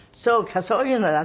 そうか。